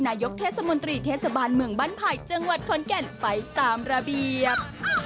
นายกเทศมนตรีเทศบาลเมืองบ้านไผ่จังหวัดขอนแก่นไปตามระเบียบ